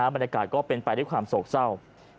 บรรยากาศก็เป็นไปด้วยความโศกเศร้า